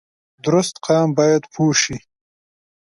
درست قام باید پوه شي